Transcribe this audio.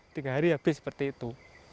tiga hari habis seperti itu